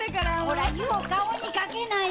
ほら湯を顔にかけない！